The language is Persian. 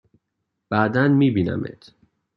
بعدا می بینمت!